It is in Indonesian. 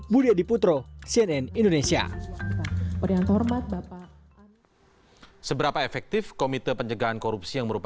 budi adiputro cnn indonesia